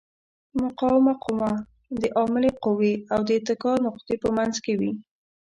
مقاومه قوه د عاملې قوې او د اتکا نقطې په منځ کې وي.